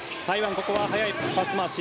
ここは速いパス回し。